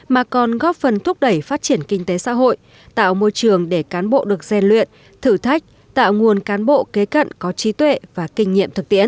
mà còn góp phần thúc đẩy phát triển kinh tế xã hội tạo môi trường để cán bộ được gian luyện thử thách tạo nguồn cán bộ kế cận có trí tuệ và kinh nghiệm thực tiễn